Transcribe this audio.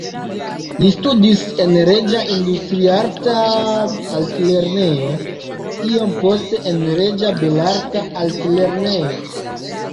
Li studis en Reĝa Industriarta Altlernejo, iom poste en Reĝa Belarta Altlernejo.